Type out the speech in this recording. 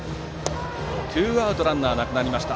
ツーアウトランナーなくなりました。